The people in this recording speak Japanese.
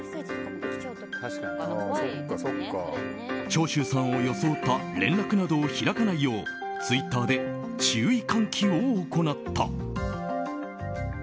長州さんを装った連絡などを開かないようツイッターで注意喚起を行った。